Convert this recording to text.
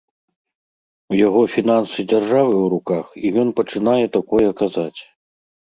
У яго фінансы дзяржавы ў руках, і ён пачынае такое казаць.